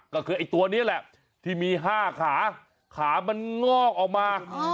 ก็คือไอ้ตัวนี้แหละที่มี๕ขาขามันงอกออกมา